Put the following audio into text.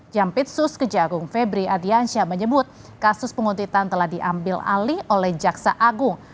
jampitsus kejagung febri adiansyah menyebut kasus penguntitan telah diambil alih oleh jaksa agung